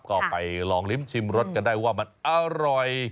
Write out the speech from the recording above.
ก็ไปลองลิ้มชิมรสกันได้ว่ามันอร่อย